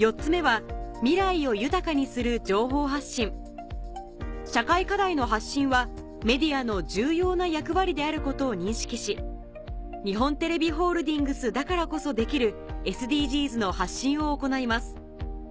４つ目は社会課題の発信はメディアの重要な役割であることを認識し日本テレビホールディングスだからこそできるＳＤＧｓの発信を行います